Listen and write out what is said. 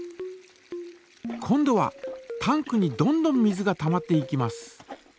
今度はタンクにどんどん水がたまっていきます。